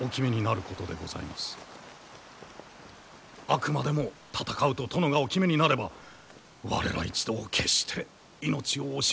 あくまでも戦うと殿がお決めになれば我ら一同決して命を惜しむものではございません。